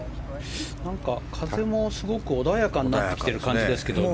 風もすごく穏やかになってきている感じですけどね。